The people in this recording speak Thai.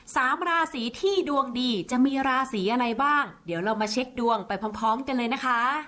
สามราศีที่ดวงดีจะมีราศีอะไรบ้างเดี๋ยวเรามาเช็คดวงไปพร้อมพร้อมกันเลยนะคะ